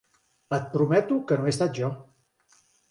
Et prometo que no he estat jo.